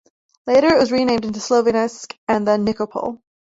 Later it was renamed into Slovianske and then Nikopol.